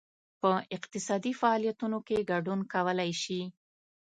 په اقتصادي فعالیتونو کې ګډون کولای شي.